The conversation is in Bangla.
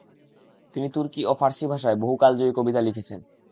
তিনি তুর্কি ও ফারসি ভাষায় বহু কালজয়ী কবিতা লিখেছেন।